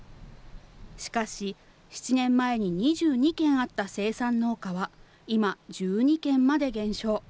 しかし、７年前に２２軒あった生産農家は今、１２軒まで減少。